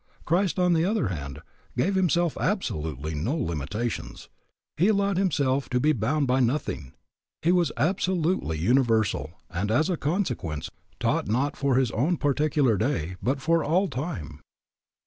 Christ, on the other hand, gave himself absolutely no limitations. He allowed himself to be bound by nothing. He was absolutely universal and as a consequence taught not for his own particular day, but for all time.